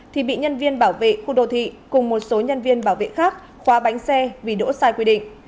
thì bị nhân viên bảo vệ khu đô thị cùng một số nhân viên bảo vệ khác khóa bánh xe vì đỗ sai quy định